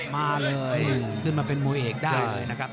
มาเลยขึ้นมาเป็นมวยเอกได้เลยนะครับ